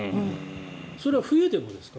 それは冬でもですか？